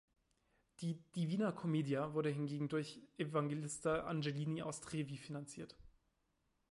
Die "Divina Commedia" wurde hingegen durch Evangelista Angelini aus Trevi finanziert.